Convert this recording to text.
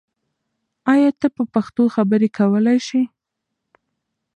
آیا ته په پښتو خبرې کولای سې؟